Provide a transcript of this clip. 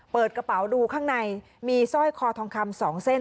เปิดกระเป๋าดูข้างในมีสร้อยคอทองคำ๒เส้น